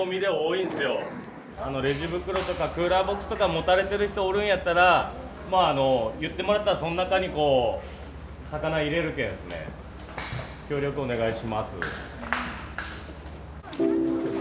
レジ袋とかクーラーボックスとか持たれてる人おるんやったらまああの言ってもらったらそん中にこう魚入れるけん協力お願いします。